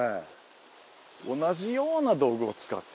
同じような道具を使って。